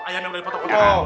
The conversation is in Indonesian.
ayam yang udah dipotong potong